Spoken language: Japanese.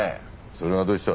それがどうした？